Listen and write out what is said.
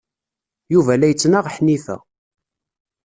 Yuba la yettnaɣ Ḥnifa.